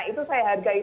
itu saya hargai